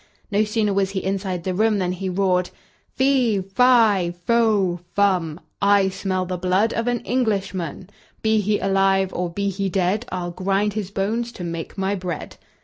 No sooner was he inside the room than he roared: "Fee, fi, fo, fum, I smell the blood of an Englishman; Be he alive, or be he dead, I'll grind his bones to make my bread!"